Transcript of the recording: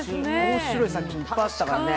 面白い作品いっぱいあったからね